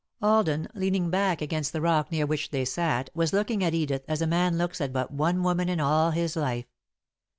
Alden, leaning back against the rock near which they sat, was looking at Edith as a man looks at but one woman in all his life.